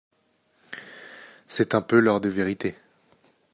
C’est un peu l’heure de vérité.